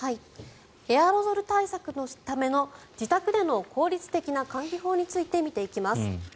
エアロゾル対策のための自宅での効率的な換気法について見ていきます。